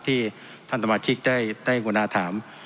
ที่ท่านสมาชิกได้ได้อุณหาถาม